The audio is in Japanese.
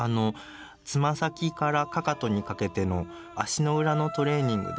爪先からかかとにかけての足の裏のトレーニングですね。